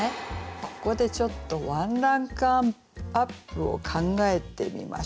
ここでちょっとワンランクアップを考えてみましょう。